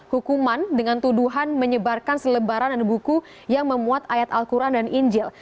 hukuman dengan tuduhan menyebarkan selebaran dan buku yang memuat ayat al quran dan injil